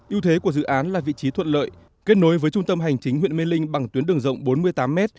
yêu thế của dự án là vị trí thuận lợi kết nối với trung tâm hành chính huyện mê linh bằng tuyến đường rộng bốn mươi tám m